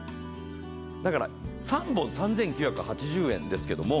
だから３本３９８０円ですけれども。